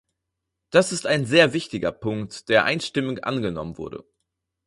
Das ist ein sehr wichtiger Punkt, der einstimmig angenommen wurde.